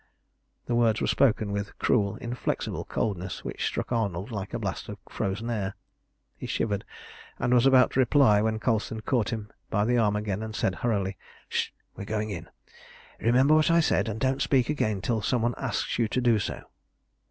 The words were spoken with a cruel inflexible coldness, which struck Arnold like a blast of frozen air. He shivered, and was about to reply when Colston caught him by the arm again, and said hurriedly "H'st! We are going in. Remember what I said, and don't speak again till some one asks you to do so."